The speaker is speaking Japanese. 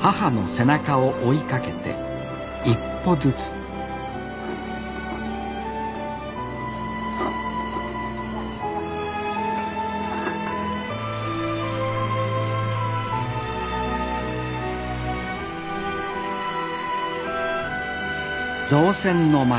母の背中を追いかけて一歩ずつ造船の町。